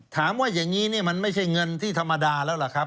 ถามว่าอย่างนี้มันไม่ใช่เงินที่ธรรมดาแล้วล่ะครับ